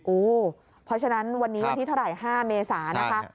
โอ้เพราะฉะนั้นวันนี้วันที่เท่าไหร่๕เมษานะคะ